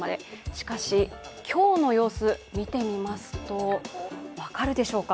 しかし今日の様子を見てみますと分かるでしょうか。